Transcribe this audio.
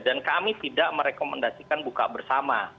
dan kami tidak merekomendasikan buka bersama